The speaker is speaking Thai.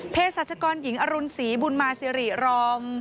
เพศศจกรหญิงอรุณสีบุญมาสิริรอง